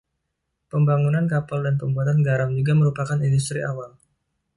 Pembangunan kapal dan pembuatan garam juga merupakan industri awal.